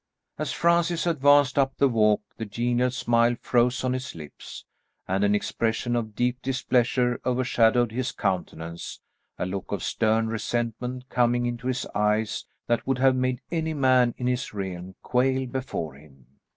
As Francis advanced up the walk, the genial smile froze on his lips, and an expression of deep displeasure overshadowed his countenance, a look of stern resentment coming into his eyes that would have made any man in his realm quail before him.